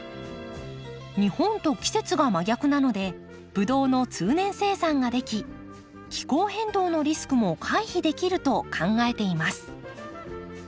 日本と季節が真逆なのでブドウの通年生産ができ気候変動のリスクも回避できると考えています。